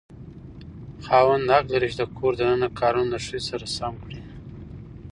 خاوند حق لري د کور دننه کارونه د ښځې سره سم کړي.